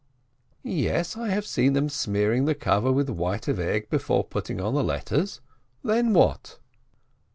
"Yes, I have seen them smearing the cover with white of egg before putting on the letters. Then what